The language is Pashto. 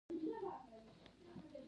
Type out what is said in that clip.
افراد متنوع ځانګړنې لري.